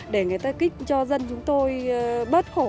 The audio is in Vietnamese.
để người ta kích cho dân chúng tôi bớt khó khăn